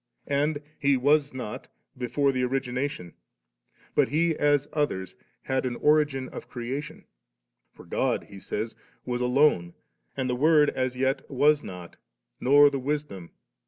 ] Digitized by Google DISCOURSE 1. 309 origination/ but He as others 'had an origin of creation.* * For God/ he says, * was alone, and the Word as yet was not, nor the Wisdom.